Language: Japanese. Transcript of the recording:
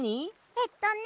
えっとね。